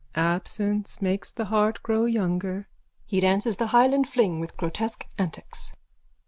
_ Absence makes the heart grow younger. _(He dances the Highland fling with grotesque antics.)